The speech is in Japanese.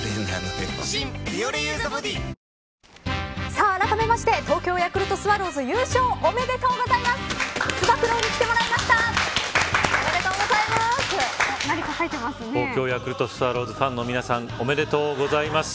さあ、あらためまして東京ヤクルトスワローズ優勝、おめでとうございます。